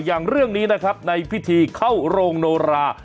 อย่างเรื่องนี้นะครับในพิธีเข้าโรงโนรา